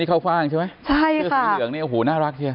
น้องเข้าฟ่างใช่ไหมใช่ค่ะชื่อของเหลืองนี่โอ้โหน่ารักเชียว